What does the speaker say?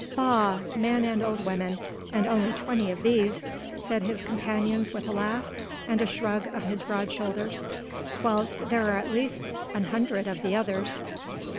"Bah! women and old men, and only twenty of these," said his companion with a laugh and a shrug of his broad shoulders, "whilst there are at least an hundred of the others."